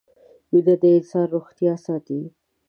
مينه د انسان روغتيا ساتي